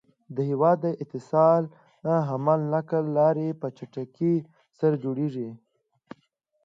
د هيواد د اتصال حمل نقل لاری په چټکی سره جوړيږي